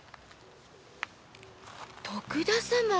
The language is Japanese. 徳田様？